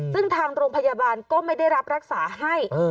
ซึ่งทางโรงพยาบาลก็ไม่ได้รับรักษาให้